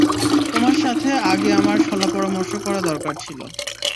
তোমার সাথে আগে আমার শলা-পরামর্শ করা দরকার ছিল।